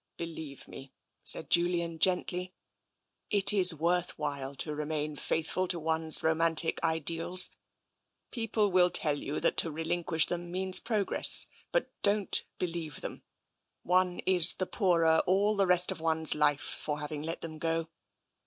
" Believe me," said Julian gently, " it is worth while to remain faithful to one's romantic ideals. People IS8 TENSION I will tell you that to relinquish them means progress — but don't believe them. One is the poorer all the rest of one's life for having let them go."